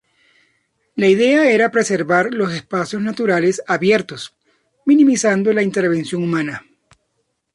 La idea era preservar los espacios naturales abiertos, minimizando la intervención humana.